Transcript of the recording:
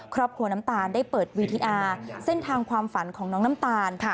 ครอบครัวน้ำตาลได้เปิดวีทีอาร์เส้นทางความฝันของน้องน้ำตาล